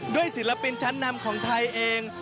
ศิลปินชั้นนำของไทยเอง